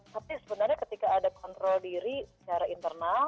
tapi sebenarnya ketika ada kontrol diri secara internal